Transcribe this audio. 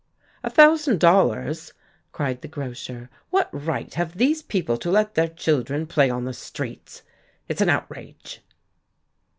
"A thousand dollars!" cried the grocer. "What right have these people to let their children play on the streets? It's an outrage."